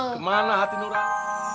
kemana hati nurang